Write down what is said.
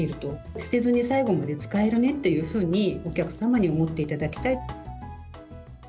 捨てずに最後まで使えるねっていうふうにお客様に思っていただきたい。